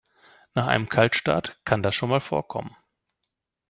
Nach einem Kaltstart kann das schon mal vorkommen.